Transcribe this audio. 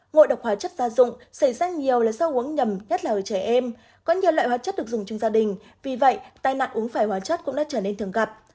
ngộ độc hóa chất gia dụng xảy ra nhiều là do uống nhầm nhất là ở trẻ em có nhiều loại hóa chất được dùng trong gia đình vì vậy tai nạn uống phải hóa chất cũng đã trở nên thường gặp